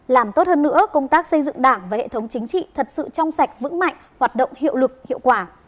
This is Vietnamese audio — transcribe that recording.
làm tốt hơn nữa công tác xây dựng đảng và hệ thống chính trị thật sự trong sạch vững mạnh hoạt động hiệu lực hiệu quả